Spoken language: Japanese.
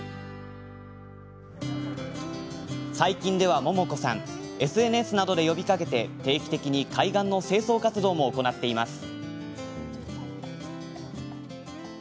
最近では百桃子さんＳＮＳなどで呼びかけて定期的に海岸の清掃活動も行っています。